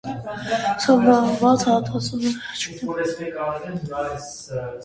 Սահմանված հատուցումների պլանները սահմանված մասհանումների պլաններից տարբեր հետաշխատանքային հատուցումների պլաններ են։